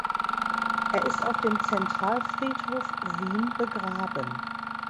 Er ist auf dem Zentralfriedhof Wien begraben.